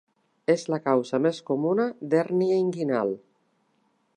És la causa més comuna d'hèrnia inguinal.